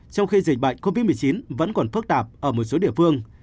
trong khi dịch bệnh covid một mươi chín vẫn còn phức tạp ở một số địa phương